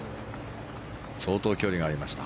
相当距離がありました